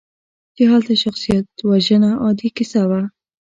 چې هلته شخصیتوژنه عادي کیسه وه.